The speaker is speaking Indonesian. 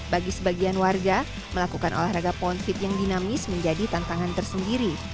bagi sebagian warga melakukan olahraga pound feet yang dinamis menjadi tantangan tersendiri